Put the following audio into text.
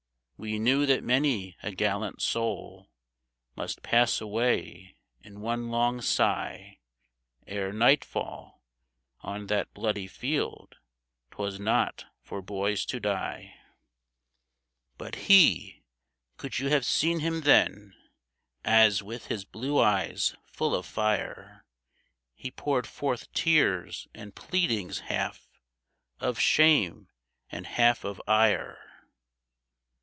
" We knew that many a gallant soul Must pass away in one long sigh, Ere nightfall. On that bloody field, 'Twas not for boys to die. CHARLEY OF MALVERN HILL /I "But he — could you have seen him then, As, with his blue eyes full of fire, He poured forth tears and pleadings, half Of shame and half of ire